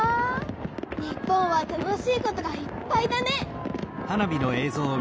日本は楽しいことがいっぱいだね！